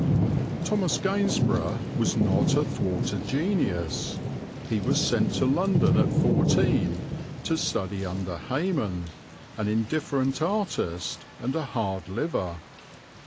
Thomas Gainsborough was not a thwarted genius. He was sent to London at fourteen to study under Hayman, an indifferent artist and a hard liver.